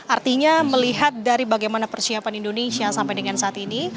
artinya melihat dari bagaimana persiapan indonesia sampai dengan saat ini